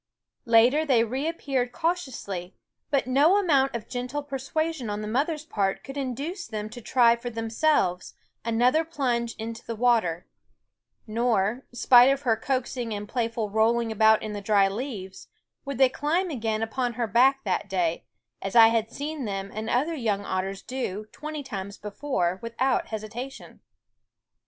Later they reappeared cautiously; but no amount of gentle persuasion on the mother's part could induce them to try for themselves another plunge into the water; nor, spite of her coaxing and playful rolling about in the dry leaves, would they climb again upon her back that day, as I had seen them and other young otters do, twenty times before, without hesitation.